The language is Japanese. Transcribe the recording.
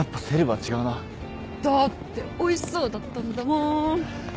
だっておいしそうだったんだもん。